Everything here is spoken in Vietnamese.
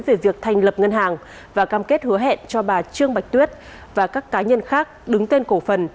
về việc thành lập ngân hàng và cam kết hứa hẹn cho bà trương bạch tuyết và các cá nhân khác đứng tên cổ phần